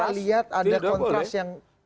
kita lihat ada kontras yang